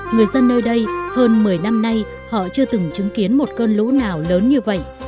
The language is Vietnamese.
người dân nơi đây hơn một mươi năm nay họ chưa từng chứng kiến một cơn lũ nào lớn như vậy